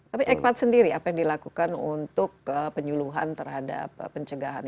tapi ekpat sendiri apa yang dilakukan untuk penyuluhan terhadap pencegahan